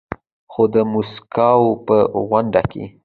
خو د ماسکو په غونډه کې